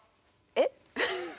えっ？